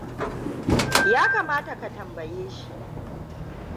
Ya kamata ka tambaye shi.